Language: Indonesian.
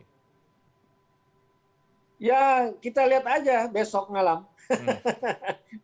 ya kita lihat aja besok malam